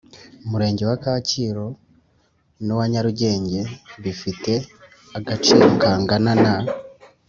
Murenge wa Kacyiru n uwa Nyarugenge bifite agaciro kangana na